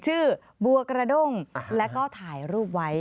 บัวกระด้งแล้วก็ถ่ายรูปไว้